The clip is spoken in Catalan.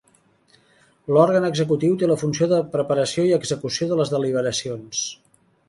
L'òrgan executiu té la funció de preparació i execució de les deliberacions.